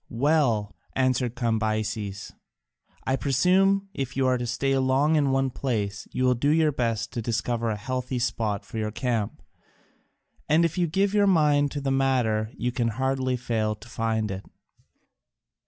"Well," answered Cambyses, "I presume if you are to stay long in one place you will do your best to discover a healthy spot for your camp, and if you give your mind to the matter you can hardly fail to find it.